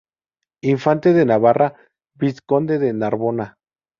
Infante de Navarra, Vizconde de Narbona.